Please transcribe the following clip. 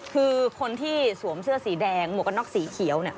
คือคนที่สวมเสื้อสีแดงหมวกกันน็อกสีเขียวเนี่ย